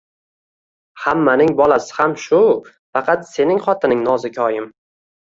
Hammaning bolasi ham shu, faqat sening xotining nozikoyim